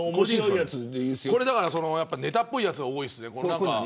ネタっぽいやつが多いですね。